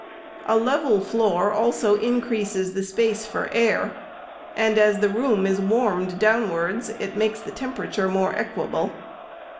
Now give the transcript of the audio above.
A level floor also increases the space for air, and as the room is warmed downwards, it makes the temperature more equable.